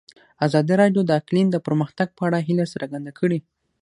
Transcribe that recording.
ازادي راډیو د اقلیم د پرمختګ په اړه هیله څرګنده کړې.